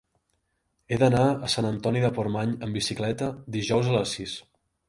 He d'anar a Sant Antoni de Portmany amb bicicleta dijous a les sis.